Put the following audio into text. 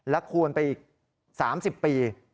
คูณไปอีก๓๐ปี